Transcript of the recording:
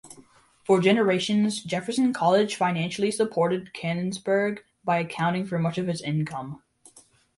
For generations, Jefferson College financially supported Canonsburg by accounting for much of its income.